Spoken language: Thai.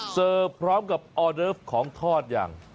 เสิร์ฟพร้อมกับออเดิฟของทอดอย่าง